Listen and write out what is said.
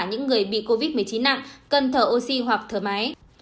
những người bị covid một mươi chín nặng cần thở oxy hoặc thở máy